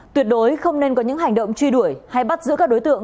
tuyệt đối không nên có những hành động truy đuổi hay bắt giữ các đối tượng